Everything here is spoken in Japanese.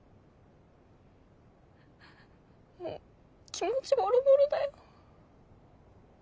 もう気持ちボロボロだよ。